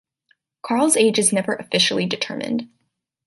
Carl's age is never officially determined.